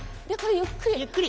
ゆっくりゆっくり。